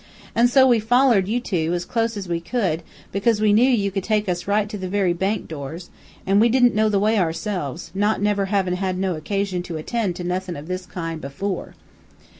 An' so we follered you two, as close as we could, because we knew you could take us right to the very bank doors, an' we didn't know the way ourselves, not never havin' had no occasion to attend to nothin' of this kind before.'